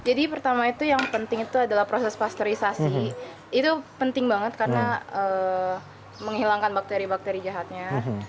jadi pertama itu yang penting itu adalah proses pasterisasi itu penting banget karena menghilangkan bakteri bakteri jahatnya